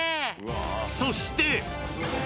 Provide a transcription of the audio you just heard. そして。